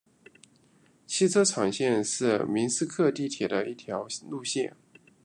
汽车厂线是明斯克地铁的一条路线。